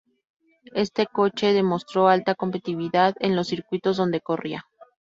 Este coche demostró alta competitividad en los circuitos donde corría.